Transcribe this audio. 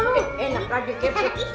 enak lagi keburu